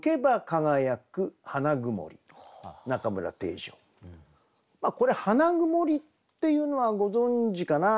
例えばねこれ「花曇」っていうのはご存じかな。